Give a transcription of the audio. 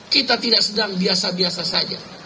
kita tidak sedang biasa biasa saja